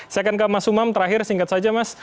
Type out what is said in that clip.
saya akan ke mas umam terakhir singkat saja mas